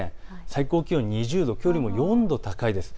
最高気温は２０度、きょうよりも４度高いです。